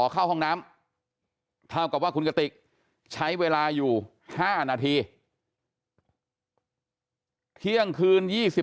เข้าห้องน้ำเท่ากับว่าคุณกติกใช้เวลาอยู่๕นาทีเที่ยงคืน๒๕